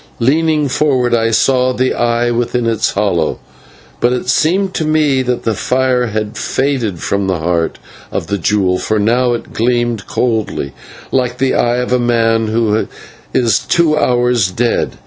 Leaning forward I saw the eye within its hollow; but it seemed to me that the fire had faded from the heart of the jewel, for now it gleamed coldly, like the eye of a man who is two hours dead.